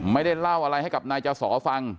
ไม่ได้เล่าอะไรให้กับนายจสอฟัง